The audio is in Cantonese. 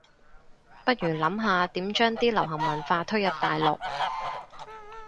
不如諗下點將啲流行文化推入大陸